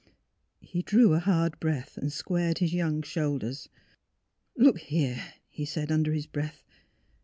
He drew a hard breath and squared his young shoulders. " Look here," he said, under his breath.